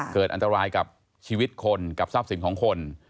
เกิดอันตรายกับชีวิตคนกับทรัพย์สินของคน